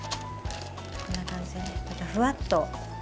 こんな感じでふわっと。